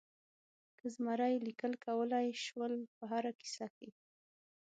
که زمری لیکل کولای شول په هره کیسه کې.